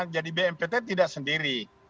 jadi bnpt tidak sendiri